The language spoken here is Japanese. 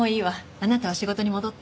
あなたは仕事に戻って。